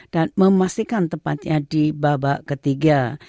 dan memastikan tempatnya di babak ketiga